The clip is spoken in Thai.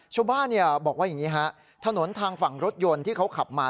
ชาวบ้านบอกว่าอย่างนี้ฮะถนนทางฝั่งรถยนต์ที่เขาขับมา